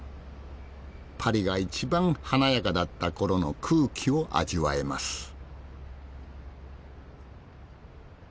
パリが一番華やかだった頃の空気を味わえます。